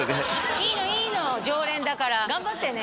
いいのいいの常連だから頑張ってね